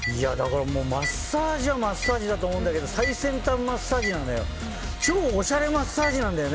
マッサージはマッサージだと思うんだけど最先端マッサージなのよ。